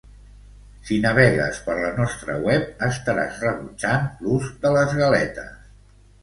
Si navegues per la nostra web, estaràs rebutjant l'ús de les galetes.